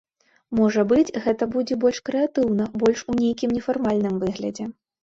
Можа быць, гэта будзе больш крэатыўна, больш у нейкім нефармальным выглядзе.